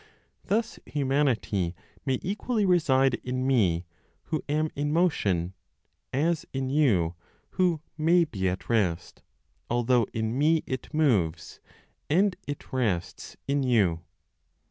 Thus, humanity may equally reside in me, who am in motion, as in you, who may be at rest, although in me it moves, and it rests in you.